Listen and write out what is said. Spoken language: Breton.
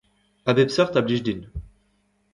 A bep seurt a blij din.